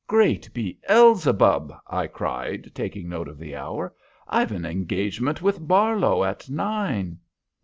"Great Beelzebub!" I cried, taking note of the hour. "I've an engagement with Barlow at nine."